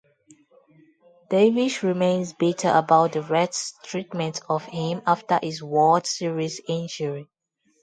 Davis remains bitter about the Reds' treatment of him after his World Series injury.